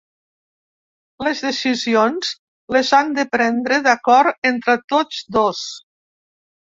Les decisions, les han de prendre d’acord entre tots dos.